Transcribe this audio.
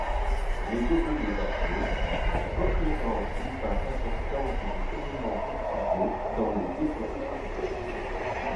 Les gobelets d'Aco représentent une part importante des éléments retrouvés dans les dépotoirs.